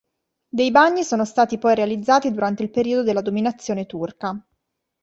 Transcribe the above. Dei bagni sono stati poi realizzati durante il periodo della dominazione turca.